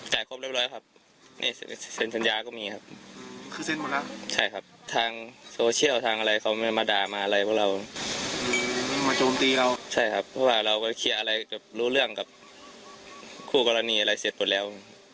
ใช่ครับเพราะว่าเราก็เคลียร์อะไรรู้เรื่องกับคู่กรณีอะไรเสร็จหมดแล้ว